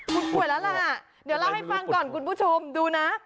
คุณป่วยแล้วล่ะเดี๋ยวเล่าให้ฟังก่อนคุณผู้ชมดูนะ